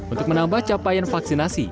untuk menambah capaian vaksinasi